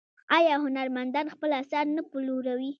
آیا هنرمندان خپل اثار نه پلوري؟